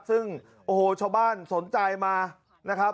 ซึ่งโอ้โหชาวบ้านสนใจมานะครับ